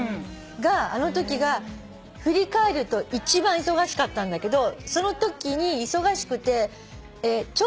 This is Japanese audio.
あのときが振り返ると一番忙しかったんだけどそのときに忙しくて長女のことは母任せ。